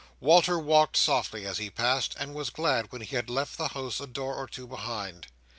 Walter walked softly as he passed, and was glad when he had left the house a door or two behind.